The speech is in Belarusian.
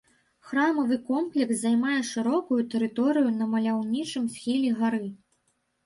Храмавы комплекс займае шырокую тэрыторыю на маляўнічым схіле гары.